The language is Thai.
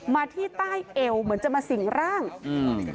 มาที่ใต้เอวเหมือนจะมาสิ่งร่างอืม